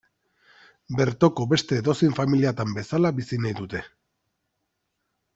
Bertoko beste edozein familiatan bezala bizi nahi dute.